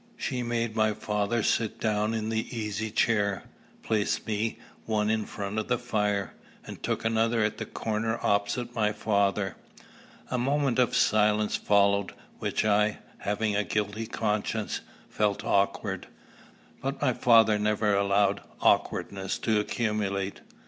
She made my father sit down in the easy chair, placed me one in front of the fire, and took another at the corner opposite my father. A moment of silence followed, which I, having a guilty conscience, felt awkward. But my father never allowed awkwardness to accumulate.